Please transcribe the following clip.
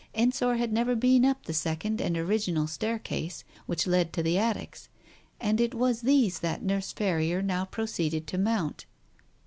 Ensor had never been up the second and original staircase which led to the attics, and it was these that Nurse Ferrier now proceeded to mount.